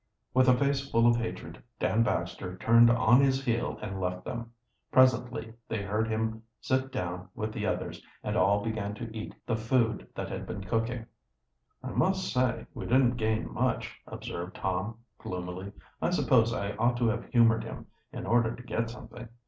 With a face full of hatred Dan Baxter turned on his heel and left them. Presently they heard him sit down with the others, and all began to eat the food that had been cooking. "I must say we didn't gain much," observed Tom gloomily. "I suppose I ought to have humored him, in order to get something.